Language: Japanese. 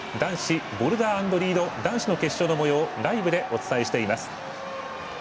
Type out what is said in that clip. ボルダー＆リード男子の決勝のもようをライブでお伝えしています。